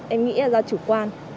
em nghĩ là do chủ quan